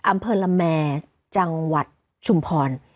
อำเภอละแมจังหวัดชุมพร